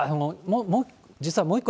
実はもう一個